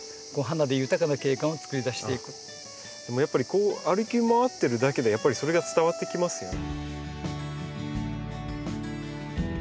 こう歩き回ってるだけでやっぱりそれが伝わってきますね。